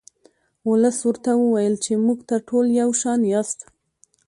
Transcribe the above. ولس ورته وویل چې موږ ته ټول یو شان یاست.